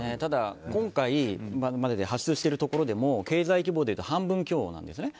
今回、今までで発出してるところでも経済規模でいうと半分強なんです。